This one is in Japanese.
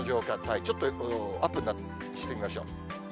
ちょっとアップにしてみましょう。